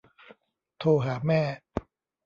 โทรหาแม่